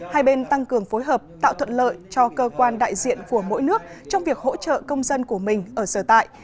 hai bên tăng cường phối hợp tạo thuận lợi cho cơ quan đại diện của mỗi nước trong việc hỗ trợ công dân của mình ở sở tại